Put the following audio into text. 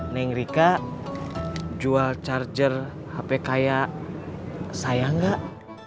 neng rika jual charger hp kaya saya nggak